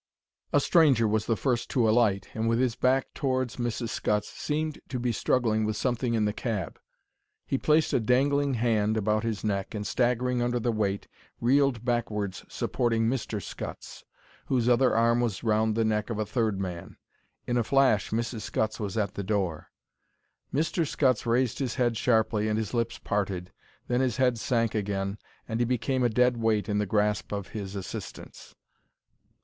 A stranger was the first to alight, and, with his back towards Mrs. Scutts, seemed to be struggling with something in the cab. He placed a dangling hand about his neck and, staggering under the weight, reeled backwards supporting Mr. Scutts, whose other arm was round the neck of a third man. In a flash Mrs. Scutts was at the door. Mr. Scutts raised his head sharply and his lips parted; then his head sank again, and he became a dead weight in the grasp of his assistants.